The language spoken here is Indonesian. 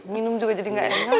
minum juga jadi nggak enak